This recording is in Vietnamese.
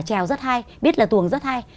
giáo rất hay biết là tuồng rất hay